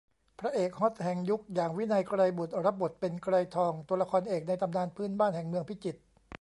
พระเอกฮอตแห่งยุคอย่าง วินัย ไกรบุตร รับบทเป็น ไกรทอง ตัวละครเอกในตำนานพื้นบ้านแห่งเมืองพิจิตร